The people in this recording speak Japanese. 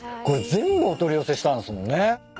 これ全部お取り寄せしたんすもんね。